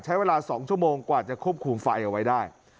ใช้เวลา๒ชั่วโมงกว่าจะควบคุมไฟเอาไว้ได้